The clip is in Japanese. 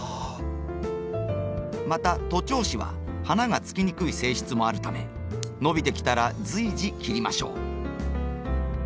また徒長枝は花がつきにくい性質もあるため伸びてきたら随時切りましょう。